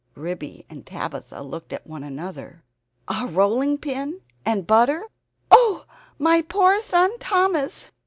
Ribby and Tabitha looked at one another. "A rolling pin and butter! Oh, my poor son Thomas!"